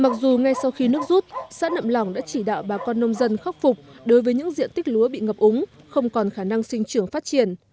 mặc dù ngay sau khi nước rút xã nậm lỏng đã chỉ đạo bà con nông dân khắc phục đối với những diện tích lúa bị ngập úng không còn khả năng sinh trưởng phát triển